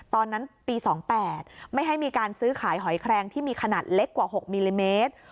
ตอนนั้นปี๒๘ไม่ให้มีการซื้อขายหอยแครงที่มีขนาดเล็กกว่า๖มิลลิเมตร